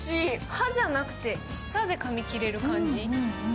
歯じゃなくて、舌でかみきれる感じ。